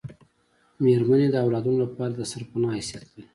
میرمنې د اولادونو لپاره دسرپنا حیثیت لري